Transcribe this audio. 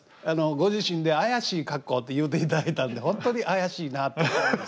ご自身で「怪しい格好」と言うていただいたんで本当に怪しいなと。